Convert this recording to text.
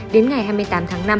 đến ngày hai mươi tám tháng năm